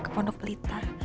ke pondok pelita